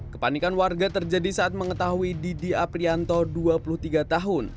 kepanikan warga terjadi saat mengetahui didi aprianto dua puluh tiga tahun